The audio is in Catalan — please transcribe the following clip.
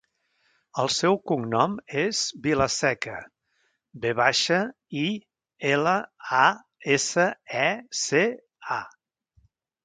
El seu cognom és Vilaseca: ve baixa, i, ela, a, essa, e, ce, a.